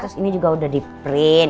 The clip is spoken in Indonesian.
terus ini juga udah di print